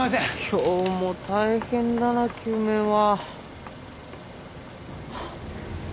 今日も大変だな救命は。